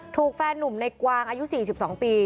แฟนนุ่มในกวางอายุ๔๒ปี